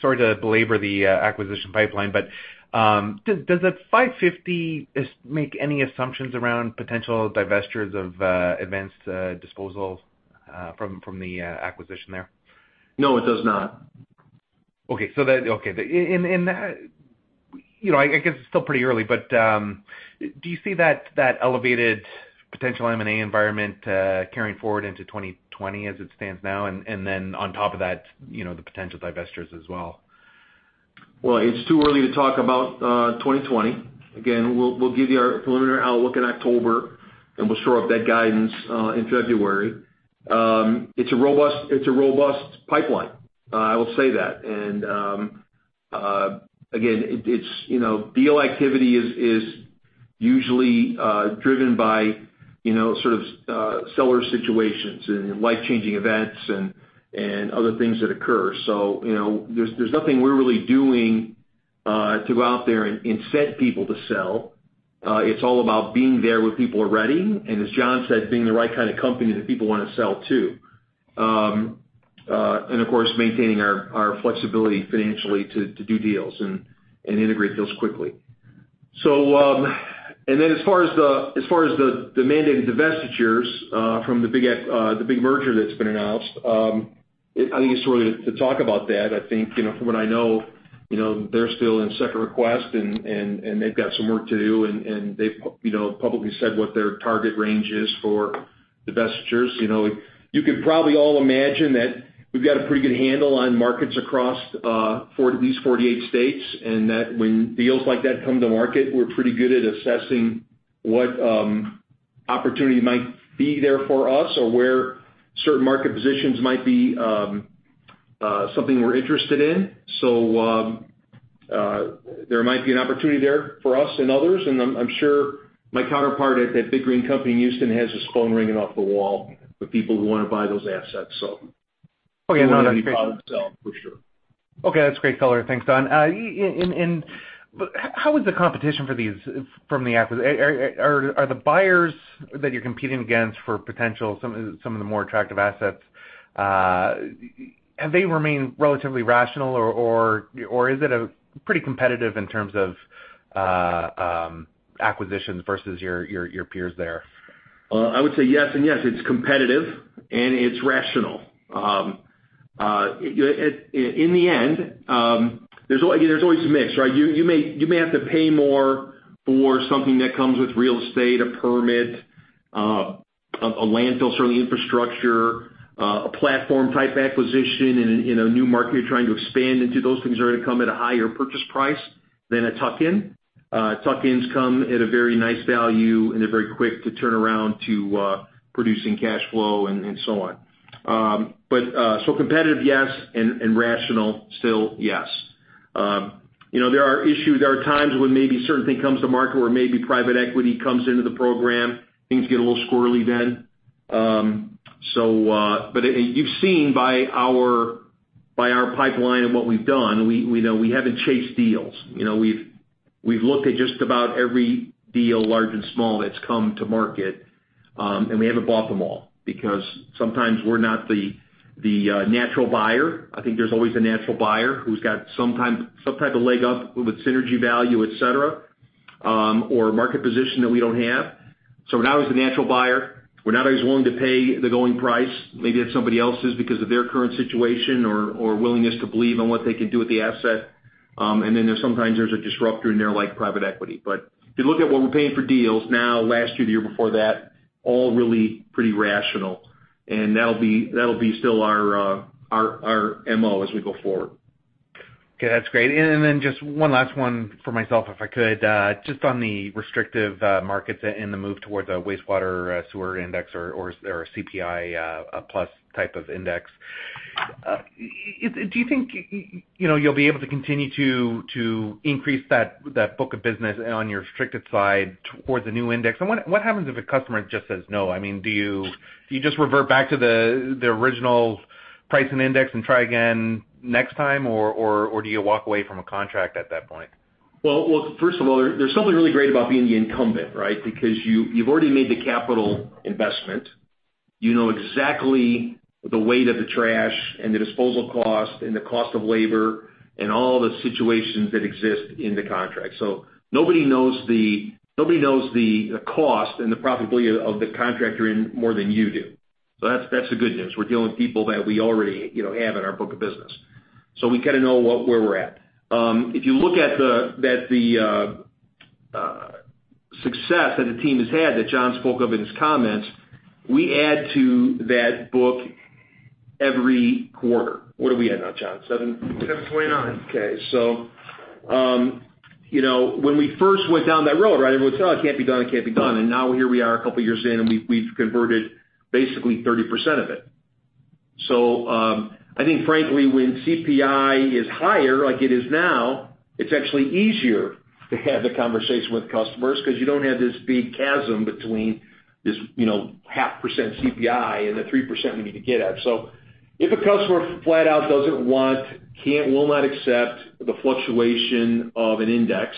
sorry to belabor the acquisition pipeline, does the 550 make any assumptions around potential divestitures of Advanced Disposal from the acquisition there? No, it does not. Okay. I guess it's still pretty early, but do you see that elevated potential M&A environment carrying forward into 2020 as it stands now? On top of that, the potential divestitures as well? It's too early to talk about 2020. Again, we'll give you our preliminary outlook in October, and we'll shore up that guidance in February. It's a robust pipeline, I will say that. Again, deal activity is usually driven by sort of seller situations and life-changing events and other things that occur. There's nothing we're really doing to go out there and incent people to sell. It's all about being there when people are ready, and as Jon said, being the right kind of company that people want to sell to. Of course, maintaining our flexibility financially to do deals and integrate deals quickly. As far as the mandated divestitures from the big merger that's been announced, I think it's too early to talk about that. I think from what I know, they're still in second request, and they've got some work to do, and they've publicly said what their target range is for divestitures. You could probably all imagine that we've got a pretty good handle on markets across these 48 states, and that when deals like that come to market, we're pretty good at assessing what opportunity might be there for us or where certain market positions might be something we're interested in. There might be an opportunity there for us and others, and I'm sure my counterpart at that big green company in Houston has his phone ringing off the wall with people who want to buy those assets. Okay. No, that's great. We want to be bought and sold for sure. Okay. That's great color. Thanks, Don. How is the competition for these? Are the buyers that you're competing against for potential, some of the more attractive assets, have they remained relatively rational, or is it pretty competitive in terms of acquisitions versus your peers there? I would say yes and yes. It's competitive and it's rational. In the end, there's always a mix, right? You may have to pay more for something that comes with real estate, a permit, a landfill, certainly infrastructure, a platform-type acquisition in a new market you're trying to expand into. Those things are going to come at a higher purchase price than a tuck-in. Tuck-ins come at a very nice value, and they're very quick to turn around to producing cash flow and so on. Competitive, yes, and rational still, yes. There are times when maybe a certain thing comes to market or maybe private equity comes into the program. Things get a little squirrely then. You've seen by our pipeline and what we've done, we haven't chased deals. We've looked at just about every deal, large and small, that's come to market, and we haven't bought them all because sometimes we're not the natural buyer. I think there's always a natural buyer who's got some type of leg up with synergy value, et cetera, or market position that we don't have. We're not always the natural buyer. We're not always willing to pay the going price. Maybe if somebody else is because of their current situation or willingness to believe in what they can do with the asset. There's sometimes there's a disruptor in there like private equity. If you look at what we're paying for deals now, last year, the year before that, all really pretty rational, and that'll be still our MO as we go forward. Okay, that's great. Just one last one for myself, if I could. Just on the restrictive markets and the move towards a wastewater sewer index or CPI plus type of index, do you think you'll be able to continue to increase that book of business on your restricted side towards the new index? What happens if a customer just says no? I mean, do you just revert back to the original price and index and try again next time, or do you walk away from a contract at that point? First of all, there's something really great about being the incumbent, right? Because you've already made the capital investment. You know exactly the weight of the trash and the disposal cost and the cost of labor and all the situations that exist in the contract. Nobody knows the cost and the profitability of the contract you're in more than you do. That's the good news. We're dealing with people that we already have in our book of business. We kind of know where we're at. If you look at the success that the team has had, that Jon spoke of in his comments, we add to that book every quarter. What are we at now, Jon? Seven? 729. Okay. When we first went down that road, right, everyone said, "Oh, it can't be done. It can't be done." Now here we are a couple of years in, and we've converted basically 30% of it. I think frankly, when CPI is higher like it is now, it's actually easier to have the conversation with customers because you don't have this big chasm between this half percent CPI and the 3% we need to get at. If a customer flat out doesn't want, can't, will not accept the fluctuation of an index,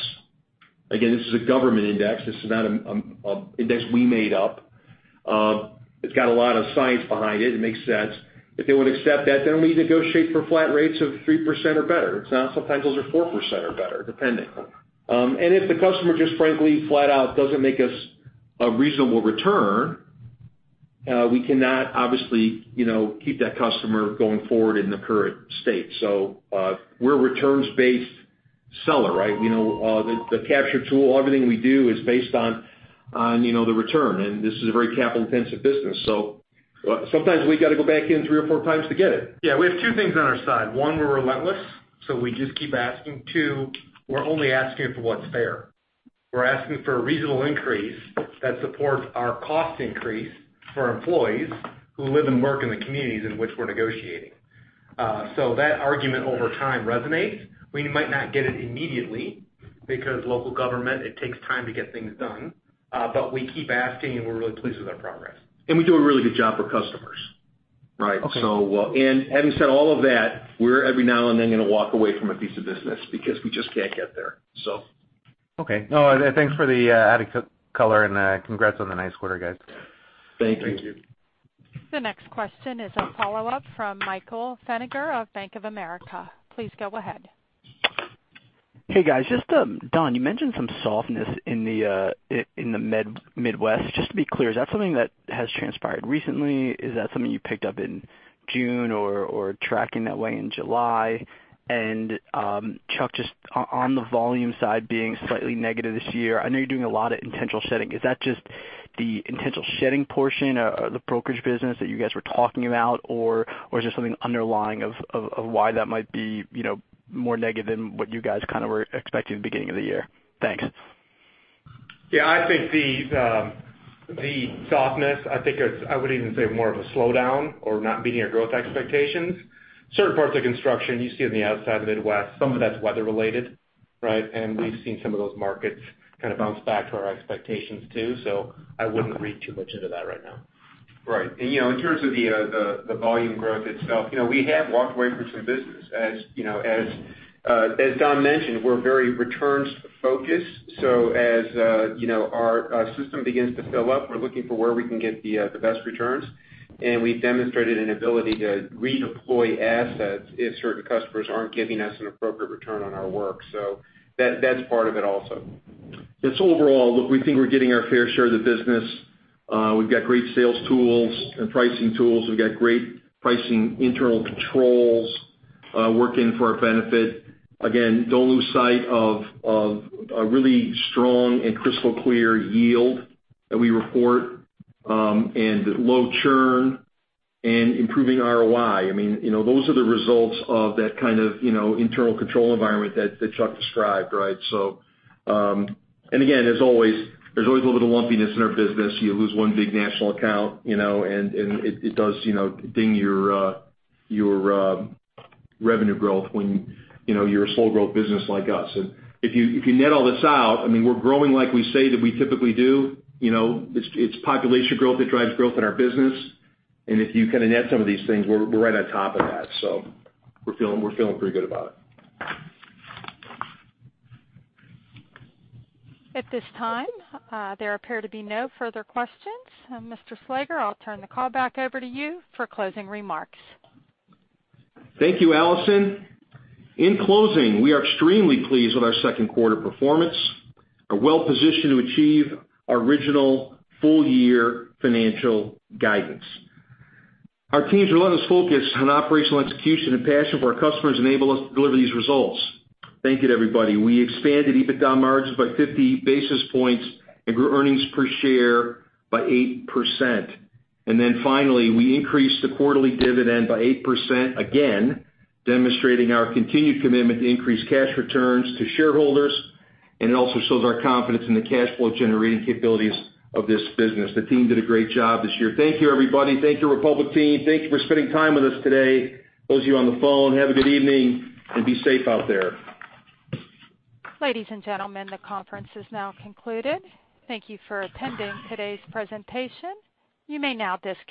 again, this is a government index. This is not an index we made up. It's got a lot of science behind it. It makes sense. If they won't accept that, we negotiate for flat rates of 3% or better. It's not. Sometimes those are 4% or better, depending. If the customer just frankly, flat out doesn't make us a reasonable return, we cannot obviously keep that customer going forward in the current state. We're a returns-based seller, right? The Capture tool, everything we do is based on the return. This is a very capital-intensive business. Sometimes we've got to go back in three or four times to get it. Yeah. We have two things on our side. One, we're relentless, so we just keep asking. Two, we're only asking for what's fair. We're asking for a reasonable increase that supports our cost increase for our employees who live and work in the communities in which we're negotiating. That argument over time resonates. We might not get it immediately because local government, it takes time to get things done. We keep asking, and we're really pleased with our progress. We do a really good job for customers, right? Okay. Having said all of that, we're every now and then going to walk away from a piece of business because we just can't get there. Okay. Thanks for the added color and congrats on the nice quarter, guys. Thank you. Thank you. The next question is a follow-up from Michael Feniger of Bank of America. Please go ahead. Hey, guys. Don, you mentioned some softness in the Midwest. Just to be clear, is that something that has transpired recently? Is that something you picked up in June or tracking that way in July? Chuck, just on the volume side being slightly negative this year, I know you're doing a lot of intentional shedding. Is that just the intentional shedding portion of the brokerage business that you guys were talking about, or is there something underlying of why that might be more negative than what you guys kind of were expecting at the beginning of the year? Thanks. Yeah, I think the softness, I would even say, more of a slowdown or not meeting our growth expectations. Certain parts of construction you see on the outside of the Midwest, some of that's weather related, right? We've seen some of those markets kind of bounce back to our expectations, too. I wouldn't read too much into that right now. Right. In terms of the volume growth itself, we have walked away from some business. As Don mentioned, we're very returns focused. As our system begins to fill up, we're looking for where we can get the best returns. We've demonstrated an ability to redeploy assets if certain customers aren't giving us an appropriate return on our work. That's part of it also. It's overall, look, we think we're getting our fair share of the business. We've got great sales tools and pricing tools. We've got great pricing internal controls working for our benefit. Don't lose sight of a really strong and crystal clear yield that we report, and low churn and improving ROI. Those are the results of that kind of internal control environment that Chuck described, right? Again, there's always a little bit of lumpiness in our business. You lose one big national account, and it does ding your revenue growth when you're a slow growth business like us. If you net all this out, we're growing like we say that we typically do. It's population growth that drives growth in our business. If you kind of net some of these things, we're right on top of that. We're feeling pretty good about it. At this time, there appear to be no further questions. Mr. Slager, I'll turn the call back over to you for closing remarks. Thank you, Allison. In closing, we are extremely pleased with our second quarter performance. We're well-positioned to achieve our original full-year financial guidance. Our team's relentless focus on operational execution and passion for our customers enable us to deliver these results. Thank you to everybody. We expanded EBITDA margins by 50 basis points and grew earnings per share by 8%. Finally, we increased the quarterly dividend by 8%, again, demonstrating our continued commitment to increase cash returns to shareholders, and it also shows our confidence in the cash flow generating capabilities of this business. The team did a great job this year. Thank you, everybody. Thank you, Republic team. Thank you for spending time with us today. Those of you on the phone, have a good evening and be safe out there. Ladies and gentlemen, the conference is now concluded. Thank you for attending today's presentation. You may now disconnect.